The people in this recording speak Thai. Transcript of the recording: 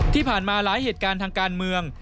ที่ผ่านมาหลายเหตุการณ์ทางการเมือง